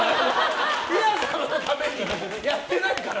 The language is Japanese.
ティア様のためにやってないから！